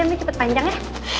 ini cepet panjang ya